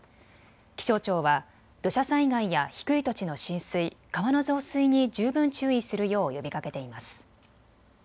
気象庁は土砂災害や低い土地の浸水、川の増水に十分注意するよう呼びかけています。